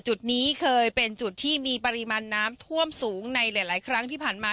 จุดนี้เคยเป็นจุดที่มีปริมาณน้ำท่วมสูงในหลายครั้งที่ผ่านมา